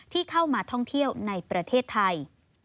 ที่เข้ามาท่องเที่ยวในประเทศไทย